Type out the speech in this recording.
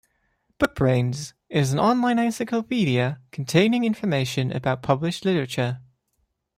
BookBrainz is an online encyclopedia containing information about published literature.